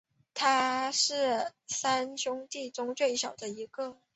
他是三兄弟中最小的一个。